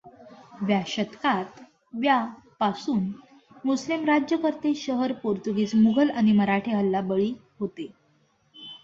व्या शतकात व्या पासून मुस्लिम राज्यकर्ते, शहर, पोर्तुगीज, मुघल आणि मराठे हल्ला बळी होते.